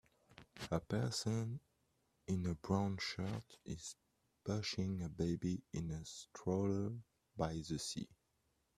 A person in a brown shirt is pushing a baby in a stroller by the sea